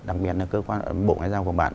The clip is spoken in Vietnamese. đặc biệt là cơ quan bộ ngoại giao của bạn